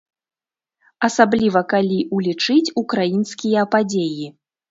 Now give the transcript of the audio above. Асабліва калі ўлічыць украінскія падзеі.